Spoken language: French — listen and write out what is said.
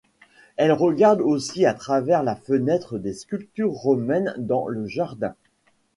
Elle regarde aussi à travers la fenêtre les sculptures romaines dans le jardin.